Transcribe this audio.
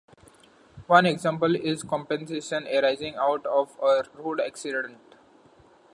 One example is compensation arising out of a road accident.